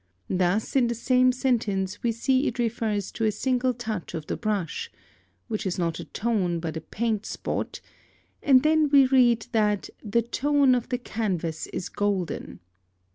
Thus in the same sentence we see it refers to a single touch of the brush, which is not a tone, but a paint spot, and then we read that the "tone of the canvas is golden."